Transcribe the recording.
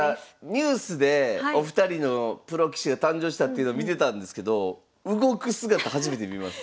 ニュースでお二人のプロ棋士が誕生したっていうの見てたんですけど動く姿初めて見ます。